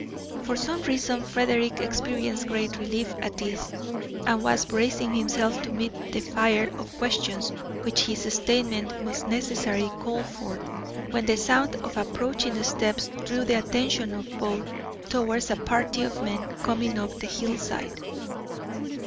For some reason Frederick experienced great relief at this, and was bracing himself to meet the fire of questions which his statement must necessarily call forth, when the sound of approaching steps drew the attention of both towards a party of men coming up the hillside.